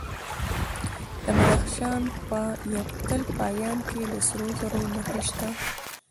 د بدخشان په یفتل پایان کې د سرو زرو نښې شته.